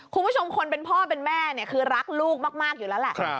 คุณผู้ชมคนเป็นพ่อเป็นแม่เนี่ยคือรักลูกมากอยู่แล้วแหละ